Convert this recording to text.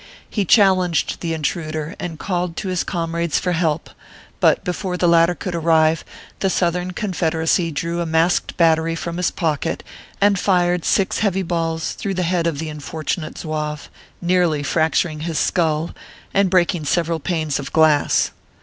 He challenged the intruder, and called to his comrades for help ; but, before the latter could arrive, the Southern Confederacy drew a masked bat tery from his pocket, and fired six heavy balls through the head of the unfortunate Zouave, nearly fracturing his skull, and breaking several panes of glass.